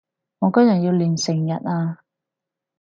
我今日要練成日呀